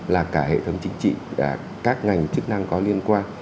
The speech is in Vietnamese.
là cả hệ thống chính trị các ngành chức năng có liên quan